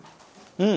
うん。